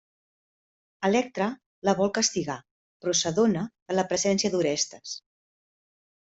Electra la vol castigar, però s'adona de la presència d'Orestes.